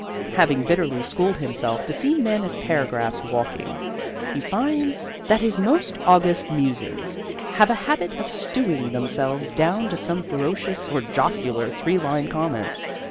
Having bitterly schooled himself to see men as paragraphs walking, he finds that his most august musings have a habit of stewing themselves down to some ferocious or jocular three line comment.